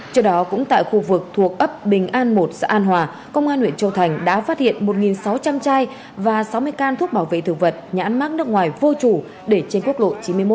trước đó cũng tại khu vực thuộc ấp bình an một xã an hòa công an huyện châu thành đã phát hiện một sáu trăm linh chai và sáu mươi can thuốc bảo vệ thực vật nhãn mát nước ngoài vô chủ để trên quốc lộ chín mươi một